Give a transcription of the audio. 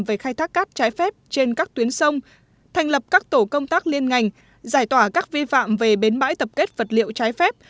về khai thác cát trái phép trên các tuyến sông thành lập các tổ công tác liên ngành giải tỏa các vi phạm về bến bãi tập kết vật liệu trái phép